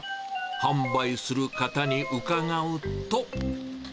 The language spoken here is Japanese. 販売する方にうかがうと。